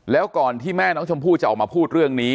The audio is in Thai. แล้วก่อนที่แม่น้องชมพู่จะออกมาพูดเรื่องนี้